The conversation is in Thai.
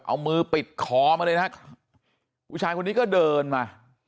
ไม่รู้ตอนไหนอะไรยังไงนะ